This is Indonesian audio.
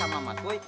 sama mama toei